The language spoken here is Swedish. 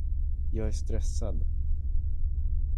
Jag är stressad.